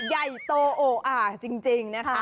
ใหญ่โตโออ่าจริงนะคะ